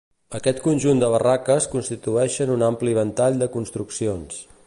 Aquest conjunt de barraques constitueixen un ampli ventall de construccions.